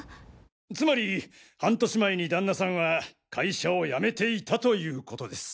つまり半年前に旦那さんは会社を辞めていたということです。